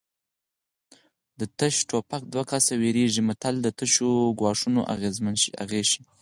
د تش ټوپکه دوه کسه ویرېږي متل د تشو ګواښونو اغېز ښيي